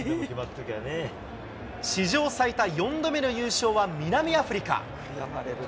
史上最多４度目の優勝は南アフリカ。